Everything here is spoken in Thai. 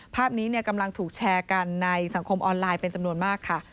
ภาพนี้กำลังถูกแชร์กันในสังคมออนไลน์เป็นจำนวนมากค่ะ